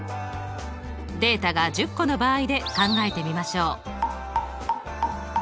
データが１０個の場合で考えてみましょう。